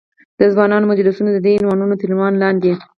د ځوانانو مجلسونه، ددې عنوانونو تر عنوان لاندې.